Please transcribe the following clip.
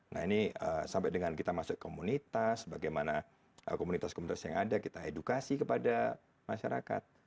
nah ini sampai dengan kita masuk komunitas bagaimana komunitas komunitas yang ada kita edukasi kepada masyarakat